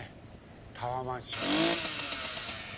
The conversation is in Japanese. タワーマンション。